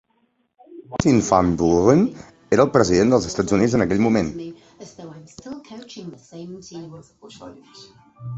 Martin Van Buren era el president dels Estats Units en aquell moment.